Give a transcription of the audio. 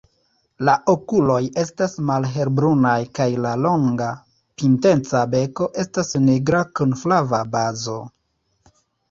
La okuloj estas malhelbrunaj kaj la longa, pinteca beko estas nigra kun flava bazo.